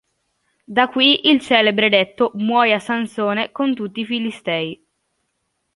Da qui il celebre detto "Muoia Sansone con tutti i Filistei".